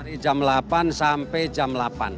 dari jam delapan sampai jam delapan